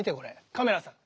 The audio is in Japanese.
カメラさん？